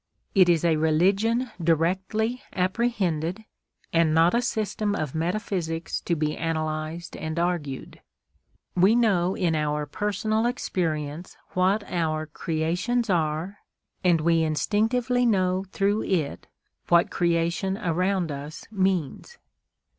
It is a religion directly apprehended, and not a system of metaphysics to be analysed and argued. We know in our personal experience what our creations are and we instinctively know through it what creation around us means.